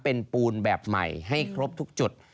เป็นปูนแบบใหม่ให้ครบทุกจุด